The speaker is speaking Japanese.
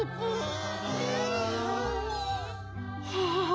ああ。